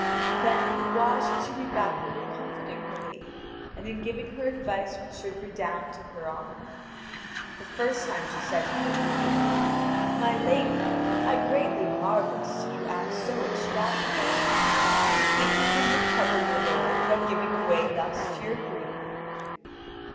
Then, why should she be backward in comforting her lady and in giving her advice which should redound to her honour? The first time she said to her privily: "My lady, I greatly marvel to see you act so extravagantly. Do you think you can recover your lord by giving away thus to your grief?"